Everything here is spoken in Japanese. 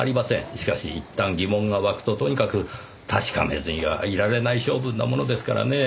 しかしいったん疑問が湧くととにかく確かめずにはいられない性分なものですからねぇ。